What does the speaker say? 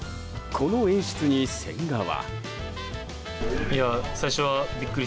この演出に千賀は。